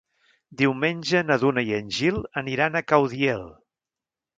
Diumenge na Duna i en Gil aniran a Caudiel.